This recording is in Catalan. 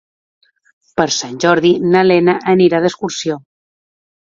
Per Sant Jordi na Lena anirà d'excursió.